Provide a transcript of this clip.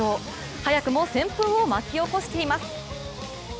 早くも旋風を巻き起こしています。